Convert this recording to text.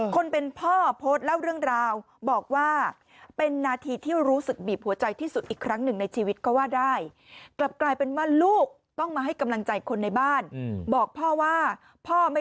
คนเป็นพ่อโพสต์เล่าเรื่องราวบอกว่า